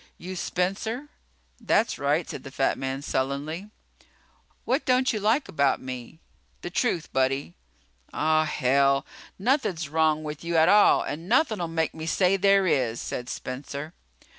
"You Spencer?" "That's right," said the fat man sullenly. "What don't you like about me? The truth, buddy." "Ah, hell! Nothin' wrong with you at all, and nothin'll make me say there is," said Spencer.